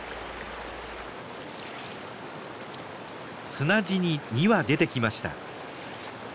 砂地に２羽出てきました。